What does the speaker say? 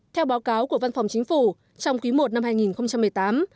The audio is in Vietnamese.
theo báo cáo của văn phòng chính phủ trong quý i năm hai nghìn một mươi tám